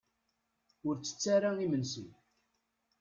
Ur ttett ara imensi.